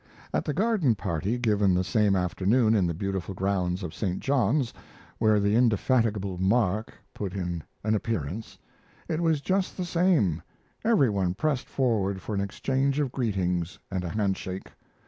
At the garden party given the same afternoon in the beautiful grounds of St. John's, where the indefatigable Mark put in an appearance, it was just the same every one pressed forward for an exchange of greetings and a hand shake.